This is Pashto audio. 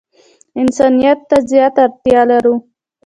انسانیت ته زیاته اړتیا لرو.